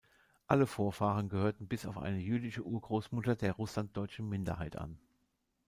Alle Vorfahren gehörten bis auf eine jüdische Urgroßmutter der russlanddeutschen Minderheit an.